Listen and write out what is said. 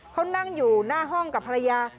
เขานั่งอยู่หน้าห้องกับภรรยา